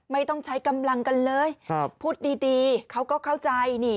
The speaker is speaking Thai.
ไม่ต้องใช้กำลังกันเลยพูดดีเขาก็เข้าใจนี่